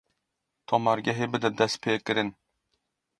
Tomargehê bide destpêkirin.